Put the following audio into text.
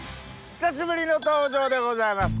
久しぶりの登場でございます。